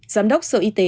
giám đốc sở y tế